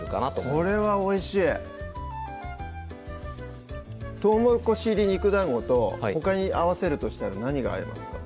これはおいしい「とうもろこし入り肉団子」とほかに合わせるとしたら何が合いますか？